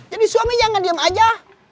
jadi suami jangan diam aja